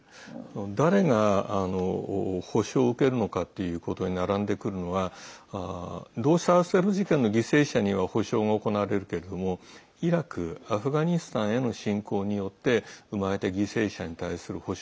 誰が補償を受けるのかっていうことに並んでくるのは同時多発テロ事件の犠牲者には補償が行われるけれどもイラク、アフガニスタンへの侵攻によって生まれた犠牲者に対する補償